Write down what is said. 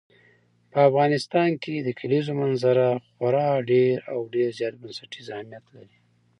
په افغانستان کې د کلیزو منظره خورا ډېر او ډېر زیات بنسټیز اهمیت لري.